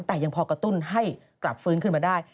แต่ยังพอกระตุ้นให้กลับฟื้นขึ้นมาได้